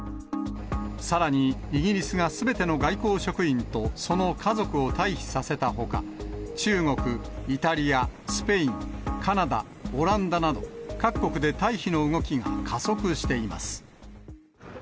さらに、イギリスがすべての外交職員とその家族を退避させたほか、中国、イタリア、スペイン、カナダ、オランダなど、各国で退避の動きが加速しています。